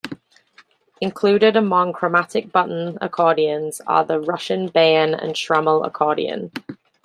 Included among chromatic button accordions are the Russian bayan and Schrammel accordion.